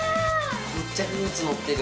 めっちゃフルーツのってる！